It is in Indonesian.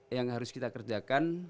yang harus kita kerjakan